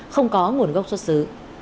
không có nguồn gốc xuất xứ